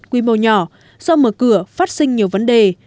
quy mô nhỏ do mở cửa phát sinh nhiều vấn đề